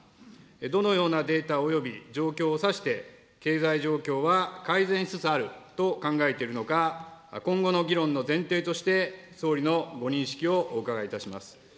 どのようなデータおよび状況を指して、経済状況は改善しつつあると考えているのか、今後の議論の前提として、総理のご認識をお伺いいたします。